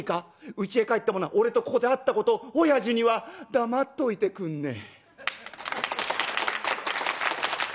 うちへ帰ってもな俺とここで会ったことおやじには黙っといてくんねえ」。